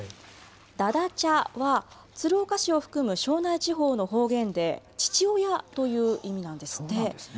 だだちゃは鶴岡市を含む庄内地方の方言で父親という意味なんですね。